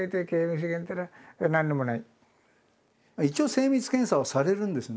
一応精密検査はされるんですね。